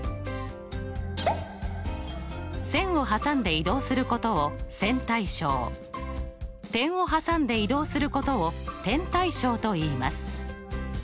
線を挟んで移動することを線対称点を挟んで移動することを点対称といいます。